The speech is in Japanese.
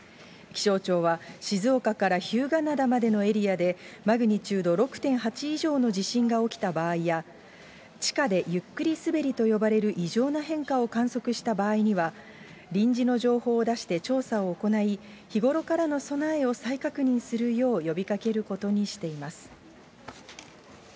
気象庁は静岡から日向灘までのエリアで、マグニチュード６．８以上の地震が起きた場合や、地下でゆっくりすべりと呼ばれる異常な変化を観測した場合には、臨時の情報を出して調査を行い、日頃からの備えを再確認するよう呼びかけることにしています。